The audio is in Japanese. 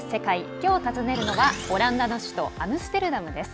きょう訪ねるのはオランダの首都アムステルダムです。